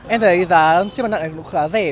em thấy giá chiếm mặt nạ này khá rẻ